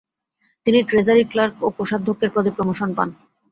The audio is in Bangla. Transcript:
তিনি ট্রেজারি ক্লার্ক ও কোষাধ্যক্ষের পদে প্রমোশন পান।